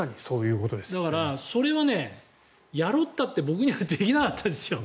だからそれはやろうったって僕にはできなかったです。